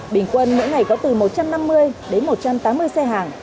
bình quân mỗi ngày có từ một trăm năm mươi đến một trăm tám mươi xe hàng